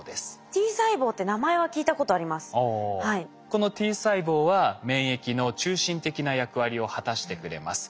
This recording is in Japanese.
このＴ細胞は免疫の中心的な役割を果たしてくれます。